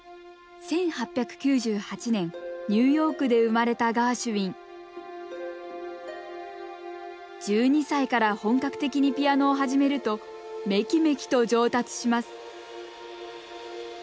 １８９８年ニューヨークで生まれたガーシュウィン１２歳から本格的にピアノを始めるとめきめきと上達します